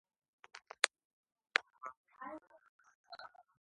არსებობდა აგრეთვე ჟურნალის ესპანურენოვანი გამოცემა.